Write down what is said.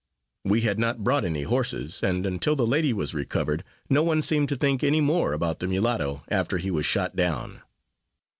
We had not brought any horses, and until the lady was recovered, no one seemed to think any more about the mulatto after he was shot down.